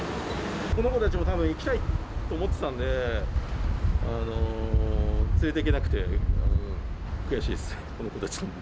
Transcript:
この子たちもたぶん、行きたいと思ってたんで、連れていけなくて悔しいです。